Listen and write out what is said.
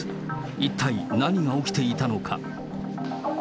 一体何が起きていたのか。